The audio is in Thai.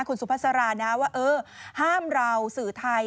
คุณสุภาษารานะว่าเออห้ามเราสื่อไทย